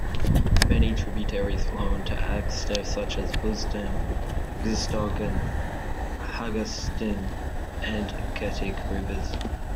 Many tributaries flow into Aghstev such as Bldsan, Ghshtoghan, Haghartsin and Getik rivers.